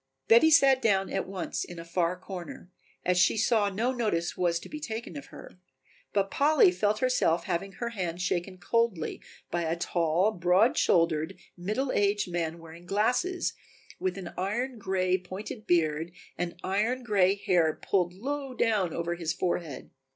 Betty sat down at once in a far corner, as she saw no notice was to be taken of her, but Polly felt herself having her hand shaken coldly by a tall, broad shouldered, middle aged man wearing glasses, with an iron gray, pointed beard and iron gray hair pulled low down over his forehead.